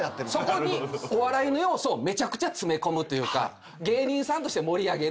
そこにお笑いの要素をめちゃくちゃ詰め込むというか芸人さんとして盛り上げるという。